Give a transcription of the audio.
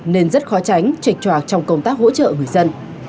nên rất khó tránh trệch tròa trong công tác hỗ trợ người dân